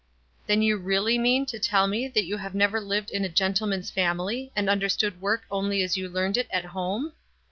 "Then you really mean to tell me that you have never lived in a gentleman's family, and understand work only as you learned it at home?"